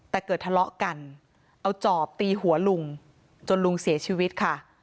แต่เกิดทะเลาะกันเอาจอบตีหัวลุงจนลุงเสียชีวิตค่ะ